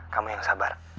kamu yang sabar